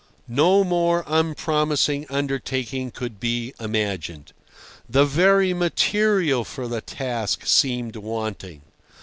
No more unpromising undertaking could be imagined. The very material for the task seemed wanting.